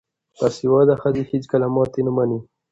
باسواده ښځې هیڅکله ماتې نه مني.